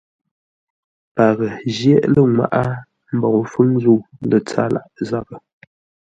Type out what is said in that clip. Paghʼə jyéʼ lə́ ŋwáʼá mbǒu fúŋ zə̂u lə́ tsâr lâʼ zághʼə.